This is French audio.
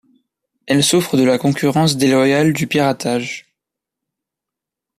Elle souffre de la concurrence déloyale du piratage.